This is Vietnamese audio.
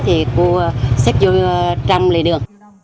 thì cô xếp vô trăm lệ đường